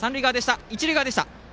一塁側でした。